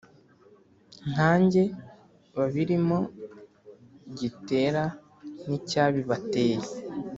nkanjye babirimo gitera n’icyabibateye